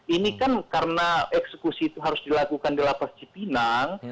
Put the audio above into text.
ini kan karena eksekusi itu harus dilakukan di lapas cipinang